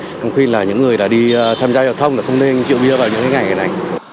nên đồng quyền là những người đã đi tham gia giao thông thì không nên dựa bia vào những ngày này